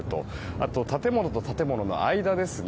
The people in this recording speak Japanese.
あと、建物と建物の間ですね。